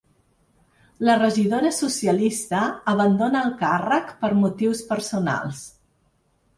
La regidora socialista abandona el càrrec ‘per motius personals’.